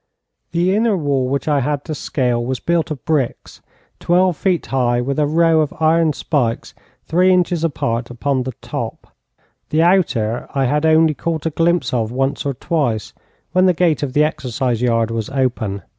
The inner wall which I had to scale was built of bricks, 12ft. high, with a row of iron spikes, 3in. apart upon the top. The outer I had only caught a glimpse of once or twice, when the gate of the exercise yard was open.